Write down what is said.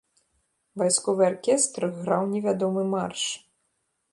Вайсковы аркестр граў невядомы марш.